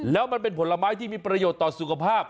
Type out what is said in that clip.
แล้วมันเป็นผลไม้ที่มีประโยชน์ต่อสุขภาพ